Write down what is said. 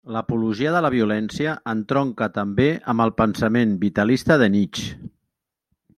L'apologia de la violència entronca també amb el pensament vitalista de Nietzsche.